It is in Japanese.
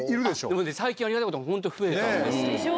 でもね最近ありがたいことにホント増えたんですよでしょ？